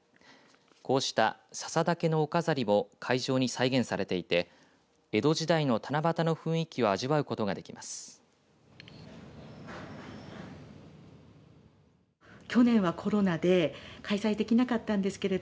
こうしたささ竹のお飾りを会場に再現されていて江戸時代の七夕の雰囲気を味わうことができます。